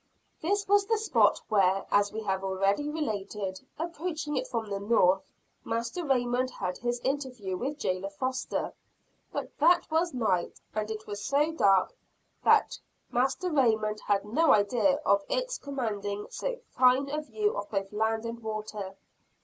This was the spot where, as we have already related, approaching it from the north, Master Raymond had his interview with jailer Foster. But that was night, and it was so dark that Master Raymond had no idea of its commanding so fine a view of both land and water.